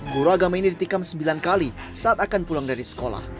guru agama ini ditikam sembilan kali saat akan pulang dari sekolah